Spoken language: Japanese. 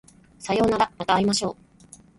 さようならまた会いましょう